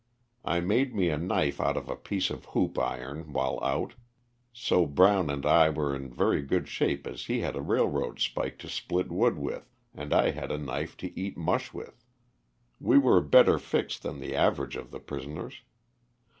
I made me a knife out of a piece of hoop iron while out; so Brown and I were in very good shape as he had a railroad spike to split wood with and I had a knife to eat mush with. We were better fixed than the average of the prisoners.